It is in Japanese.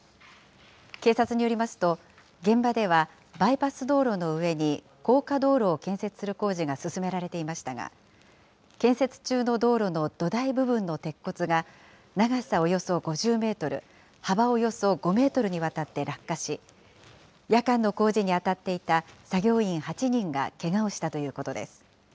警察によりますと、現場ではバイパス道路の上に高架道路を建設する工事が進められていましたが、建設中の道路の土台部分の鉄骨が、長さおよそ５０メートル、幅およそ５メートルにわたって落下し、夜間の工事に当たっていた作業員８人がけがをしたということです。